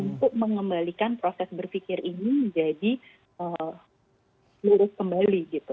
untuk mengembalikan proses berpikir ini menjadi lurus kembali gitu